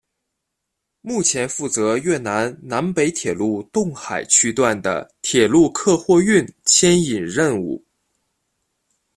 目前负责越南南北铁路洞海区段的铁路客货运牵引任务。